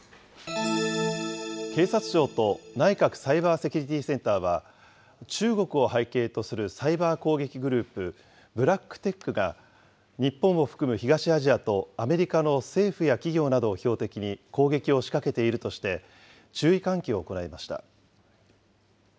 警察庁と内閣サイバーセキュリティセンターは、中国を背景とするサイバー攻撃グループ、ＢｌａｃｋＴｅｃｈが、日本を含む東アジアとアメリカの政府や企業などを標的に攻撃を仕掛けているとして、注意喚起を行いました。